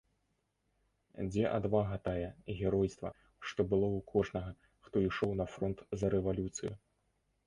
Дзе адвага тая, геройства, што было ў кожнага, хто ішоў на фронт за рэвалюцыю?